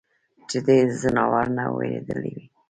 چې د دې ځناورو نه وېرېدلے وي ؟